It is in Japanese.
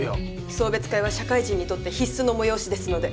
送別会は社会人にとって必須の催しですので。